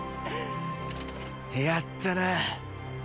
やったな。